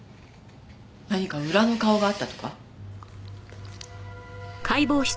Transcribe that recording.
何か裏の顔があったとか？